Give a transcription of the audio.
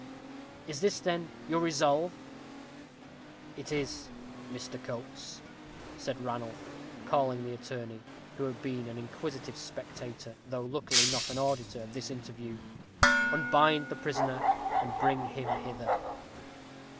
"Is this, then, your resolve?" "It is. Mr. Coates," said Ranulph, calling the attorney, who had been an inquisitive spectator, though, luckily, not an auditor of this interview, "unbind the prisoner, and bring him hither."